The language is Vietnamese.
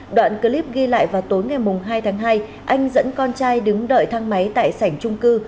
đoạn clip ghi lại vào tối ngày hai tháng hai anh dẫn con trai đứng đợi thang máy tại sảnh trung cư